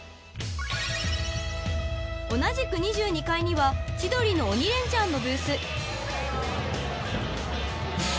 ［同じく２２階には『千鳥の鬼レンチャン』のブース］